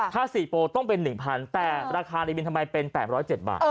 ถ้า๔โปรต้องเป็น๑๐๐แต่ราคาในบินทำไมเป็น๘๐๗บาท